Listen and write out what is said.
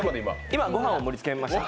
今、ご飯を盛りつけました。